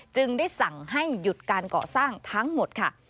จึงได้สั่งให้หยุดการก่อสร้างทั้งหมดค่ะ